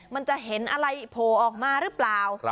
มันจะเห็นอะไรโผล่ออกมาหรือเปล่า